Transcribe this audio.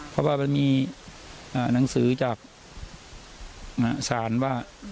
เพราะว่ามันมีหนังสือจากศาลว่า